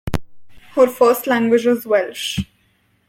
Her first language is Welsh.